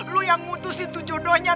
lu yang ngutusin tuh jodohnya